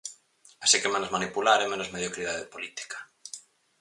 Así que menos manipular e menos mediocridade política.